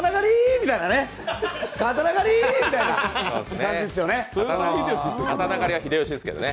みたいな感じですね。